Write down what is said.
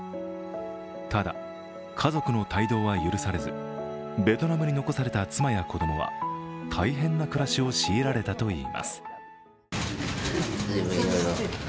ただ、家族の帯同は許されずベトナムに残された妻や子供は大変な暮らしを強いられたといいます。